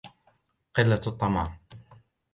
قِلَّةُ الطَّمَعِ